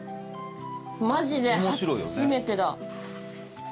マジで初めてだ。